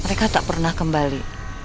mereka tak pernah kembali